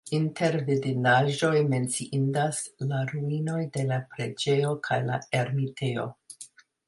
Inter vidindaĵoj menciindas la ruinoj de la preĝejo kaj la ermitejo.